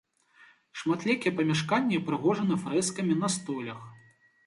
Шматлікія памяшканні ўпрыгожаны фрэскамі на столях.